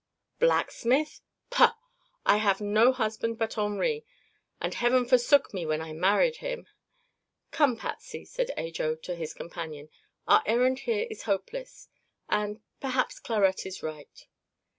"Blacksmith? Pah! I have no husband but Henri, and heaven forsook me when I married him." "Come, Patsy," said Ajo to his companion, "our errand here is hopeless. And perhaps Clarette is right."